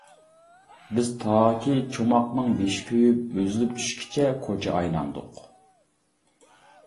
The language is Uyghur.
بىز تاكى چوماقنىڭ بېشى كۆيۈپ ئۈزۈلۈپ چۈشكىچە كوچا ئايلاندۇق.